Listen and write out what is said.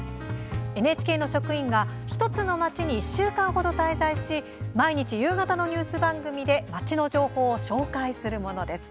ＮＨＫの職員が１つの町に１週間程、滞在し毎日、夕方のニュース番組で町の情報を紹介するものです。